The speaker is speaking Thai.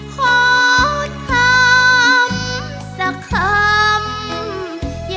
ขอคำสักคำ